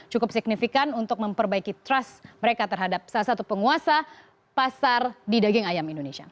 cukup signifikan untuk memperbaiki trust mereka terhadap salah satu penguasa pasar di daging ayam indonesia